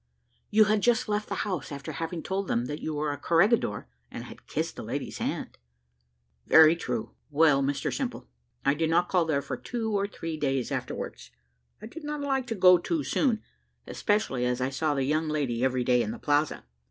"You had just left the house after having told them that you were a corregidor, and had kissed the lady's hand." "Very true. Well, Mr Simple, I did not call there for two or three days afterwards; I did not like to go too soon, especially as I saw the young lady every day in the Plaza.